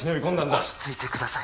落ち着いてください